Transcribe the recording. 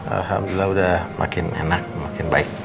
alhamdulillah udah makin enak makin baik